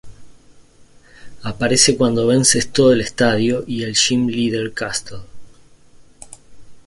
Aparece cuando vences todo el Estadio y el Gym Leader Castle.